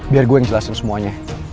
biar gue yang jelasin semuanya